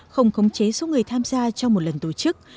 không khống chế số người tham gia trong một lần tổ chức